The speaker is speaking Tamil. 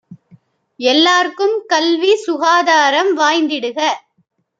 எல்லார்க்கும் கல்வி சுகாதாரம் வாய்ந்திடுக!